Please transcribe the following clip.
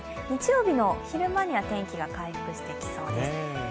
日曜日の昼間には関東、天気が回復してきそうです。